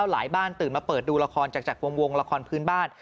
หลายบ้านตื่นมาเปิดดูละครจากวงละครพื้นบ้าน